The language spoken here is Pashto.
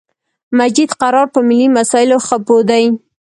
مجید قرار په ملی مسایلو خه پوهه دی